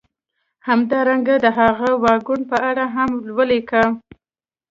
همدارنګه د هغه واګون په اړه هم ولیکه